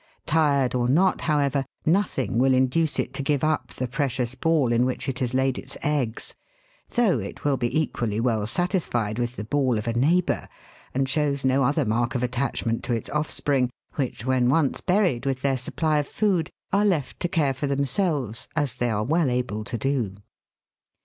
Tired or not, however, nothing will induce it to give up the precious ball in which it has laid its eggs, though it will be equally well satisfied with the ball of a neighbour, and shows no other mark of attachment to its offspring, which when once buried with their supply of food, are left to care for them selves, as they are well able to do.